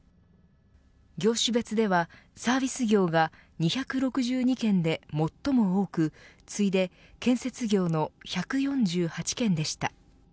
業種別では、サービス業が２６２件で最も多く次いで建設業の１４８件でした。